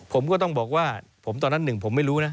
ผมก็ต้องบอกว่าผมตอนนั้นหนึ่งผมไม่รู้นะ